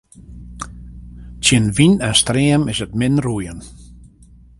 Tsjin wyn en stream is 't min roeien.